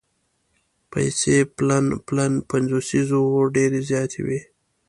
پیسې پلن پلن پنځوسیز وو ډېرې زیاتې وې.